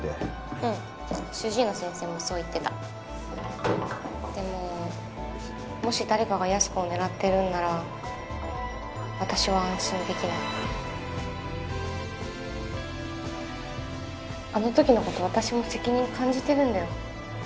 うん主治医の先生もそう言ってたでももし誰かがヤス君を狙ってるんなら私は安心できないあの時のこと私も責任感じてるんだよ